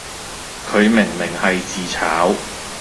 佢明明係自炒